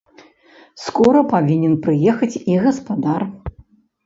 Скора павінен прыехаць і гаспадар.